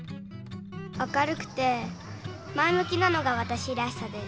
明るくて前むきなのがわたしらしさです。